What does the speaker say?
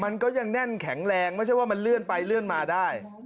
มันก็ยังแน่นแข็งแรงไม่ใช่ว่ามันเลื่อนไปเลื่อนมาได้